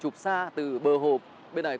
chụp xa từ bờ hồ bên này